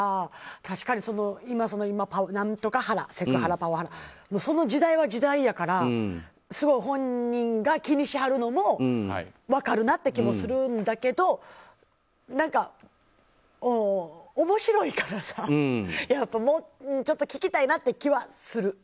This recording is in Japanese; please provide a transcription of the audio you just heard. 確かに何とかハラ、セクハラ、パワハラその時代は時代やからすごい、本人が気にしはるのも分かるという気もするんだけど面白いからもうちょっと聞きたいなっていう気はする。